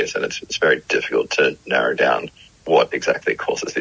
dan sangat sulit untuk menekan apa yang menyebabkan keadaan ini